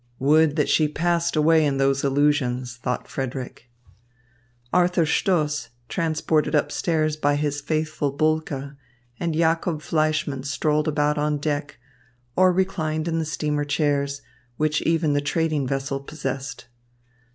"Would that she passed away in those illusions!" thought Frederick. Arthur Stoss, transported up stairs by his faithful Bulke, and Jacob Fleischmann strolled about on deck, or reclined in the steamer chairs, which even the trading vessel possessed.